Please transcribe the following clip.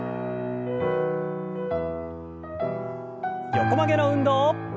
横曲げの運動。